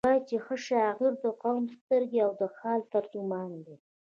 وایي چې ښه شاعر د قوم سترګې او د حال ترجمان دی.